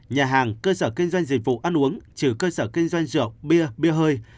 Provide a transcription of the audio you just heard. nhà hàng cơ sở kinh doanh dịch vụ ăn uống trừ cơ sở kinh doanh rượu bia bia hơi